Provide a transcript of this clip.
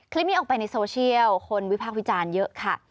คลิปนี้ออกไปในโซเชียลคนวิพากษ์วิจารณ์เยอะค่ะ